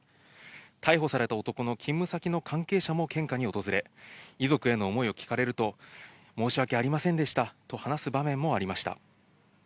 逮捕された男の勤務先の関係者も献花に訪れ、遺族への思いを聞かれると、申し訳ありませんでしたと話す場面もありました。